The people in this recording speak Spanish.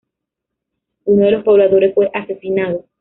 Uno de los pobladores fue asesinado.